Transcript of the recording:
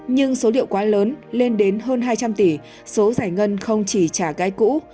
nhưng số liệu quá lớn lên đến hơn hai trăm linh tỷ số giải ngân không chỉ trả cái cũ